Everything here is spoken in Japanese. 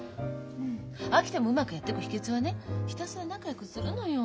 飽きてもうまくやってく秘けつはねひたすら仲よくするのよ。